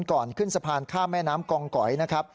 ก่อนขึ้นสะพานข้ามแม่น้ำกองก๋อยนะครับ